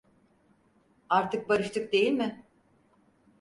Artık barıştık değil mi?